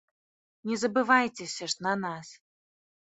Не забывайцеся ж на нас.